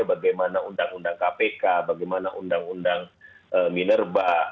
bagaimana undang undang kpk bagaimana undang undang minerba